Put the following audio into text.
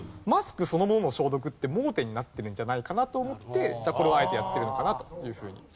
マスクそのものの消毒って盲点になってるんじゃないかな？と思ってじゃあこれをあえてやってるのかな？というふうに。